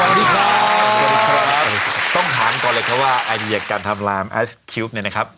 สวัสดีครับสวัสดีครับต้องถามก่อนเลยครับว่าไอเดียการทำลามไอซ์คิวเนี่ยนะครับ